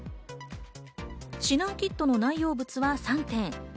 指南キットの内容物は３点。